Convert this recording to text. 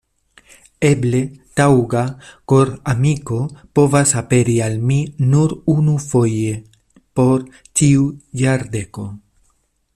Eble taŭga koramiko povas aperi al mi nur unufoje por ĉiu jardeko.